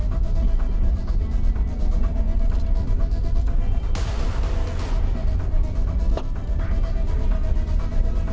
ไอ้ที่จะเปรียดก็เปรียดอย่างงี้เหรอวะ